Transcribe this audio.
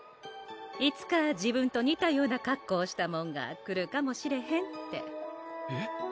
いつか自分とにたような格好をしたもんが来るかもしれへんってえっ⁉